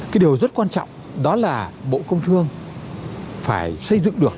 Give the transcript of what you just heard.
cái điều rất quan trọng đó là bộ công thương phải xây dựng được